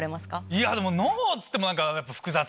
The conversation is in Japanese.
いやでも脳っつっても何かやっぱ複雑な。